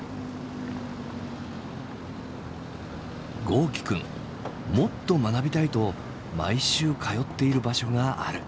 豪輝くんもっと学びたいと毎週通っている場所がある。